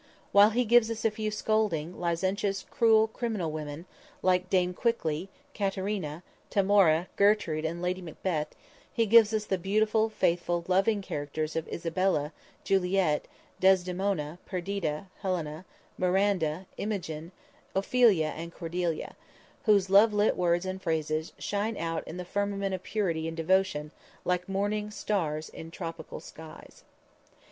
While he gives us a few scolding, licentious, cruel, criminal women, like Dame Quickly, Katharina, Tamora, Gertrude and Lady Macbeth, he gives us the beautiful, faithful, loving characters of Isabella, Juliet, Desdemona, Perdita, Helena, Miranda, Imogen, Ophelia and Cordelia, whose love lit words and phrases shine out in the firmament of purity and devotion like morning stars in tropic skies.